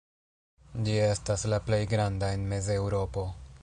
Ĝi estas la plej granda en Mez-Eŭropo.